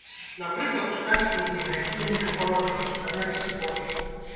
Напрыклад, чытаць кнігі, на якія не хапала часу, заняцца спортам.